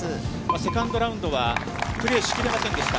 セカンドラウンドはプレーしきれませんでした。